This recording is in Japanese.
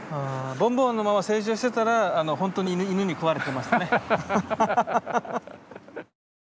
ボンボンのまま成長してたらほんとに犬に食われてましたね。